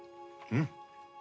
うん。